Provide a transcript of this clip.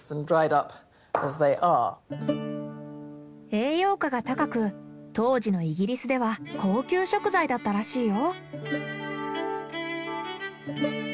栄養価が高く当時のイギリスでは高級食材だったらしいよ。